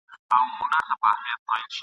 مزمن او ناعلاجه رنځ یوازنی طبیب دی ..